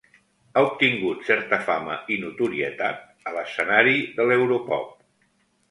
Ha obtingut certa fama i notorietat a l'escenari de l'europop.